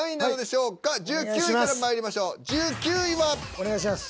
お願いします。